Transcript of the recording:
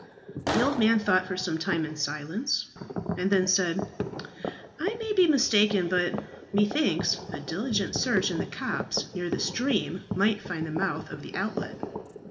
The old man thought for some time in silence, and then said, "I may be mistaken, but methinks a diligent search in the copse near the stream might find the mouth of the outlet."